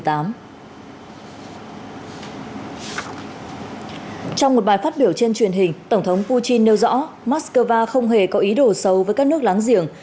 trong một bài phát biểu trên truyền hình tổng thống putin nêu rõ moscow không hề có ý đồ xấu với các nước láng giềng